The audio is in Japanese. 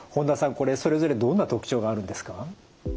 これそれぞれどんな特徴があるんですか？